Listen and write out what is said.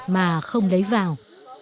mà không lấy vào